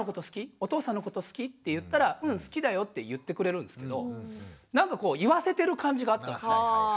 お父さんのこと好き？」って言ったら「うん好きだよ」って言ってくれるんですけどなんかこう言わせてる感じがあったんですよね。